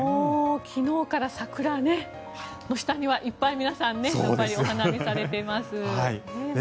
もう昨日から桜の下にはいっぱい皆さんお花見されています。